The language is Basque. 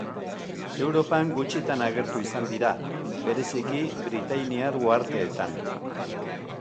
Europan gutxitan agertu izan dira, bereziki Britainiar uharteetan.